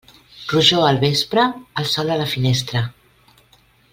Rojor al vespre, el sol a la finestra.